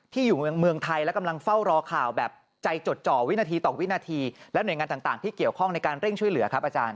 อยู่เมืองไทยและกำลังเฝ้ารอข่าวแบบใจจดจ่อวินาทีต่อวินาทีและหน่วยงานต่างที่เกี่ยวข้องในการเร่งช่วยเหลือครับอาจารย์